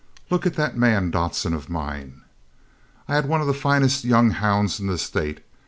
Look at that man, Dodson, of mine. I had one of the finest young hounds in the State.